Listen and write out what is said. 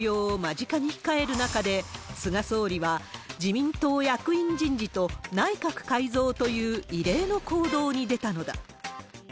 自民党総裁選、衆議院議員の任期満了を間近に控える中で、菅総理は自民党役員人事と内閣改造という異例の行動に出たのだ。